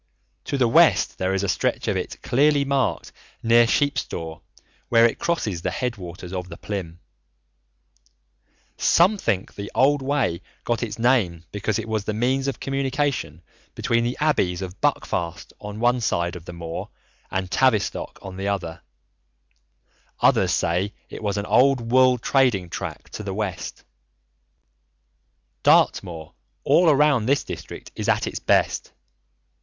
To the west there is a stretch of it clearly marked near Sheepstor where it crosses the head waters of the Plym. Some think the old Way got its name because it was the means of communication between the Abbeys of Buckfast on one side of the moor and Tavistock on the other. Others say it was an old wool trading track to the west. Dartmoor all around this district is at its best.